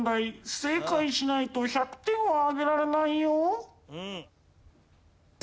正解しないと１００点はあげられないよ。